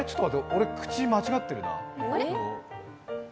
俺、口、間違ってるな。